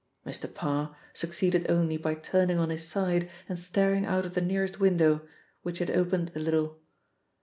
Mr. Parr succeeded only by turning on his side and staring out of the nearest window, which he had opened a little.